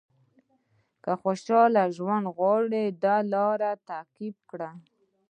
که خوشاله ژوند غواړئ دا لارې تعقیب کړئ.